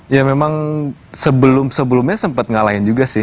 ya memang sebelum sebelumnya sempat ngalahin juga sih